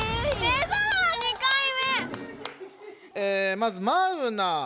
まずマウナ。